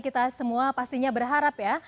kita semua pastinya berharap ya